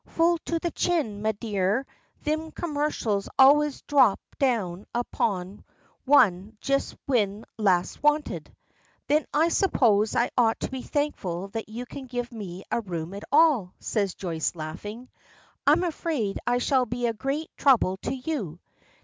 "Full to the chin, me dear. Thim commercials always dhrop down upon one just whin laste wanted." "Then I suppose I ought to be thankful that you can give me a room at all," says Joyce, laughing. "I'm afraid I shall be a great trouble to you."